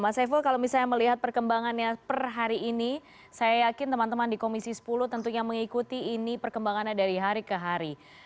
mas saiful kalau misalnya melihat perkembangannya per hari ini saya yakin teman teman di komisi sepuluh tentunya mengikuti ini perkembangannya dari hari ke hari